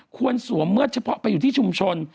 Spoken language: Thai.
สวมเลือดเฉพาะไปอยู่ที่ชุมชน